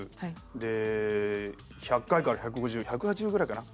で１００回から１５０１８０ぐらいかな？